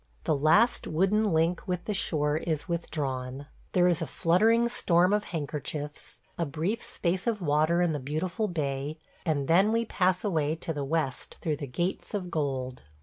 ... The last wooden link with the shore is withdrawn. There is a fluttering storm of handkerchiefs – a brief space of water in the beautiful bay – and then we pass away to the west through the Gates of Gold.